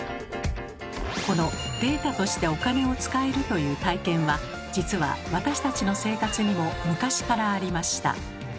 この「データとしてお金を使える」という体験は実は私たちの生活にも昔からありました。